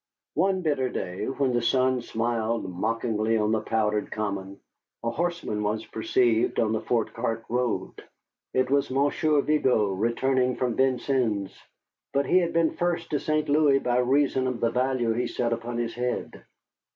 One bitter day, when the sun smiled mockingly on the powdered common, a horseman was perceived on the Fort Chartres road. It was Monsieur Vigo returning from Vincennes, but he had been first to St. Louis by reason of the value he set upon his head.